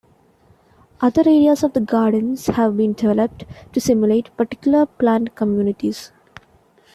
Other areas of the gardens have been developed to simulate particular plant communities.